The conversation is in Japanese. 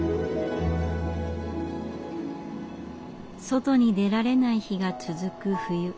外に出られない日が続く冬。